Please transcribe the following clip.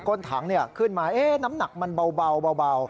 ้นถังขึ้นมาน้ำหนักมันเบา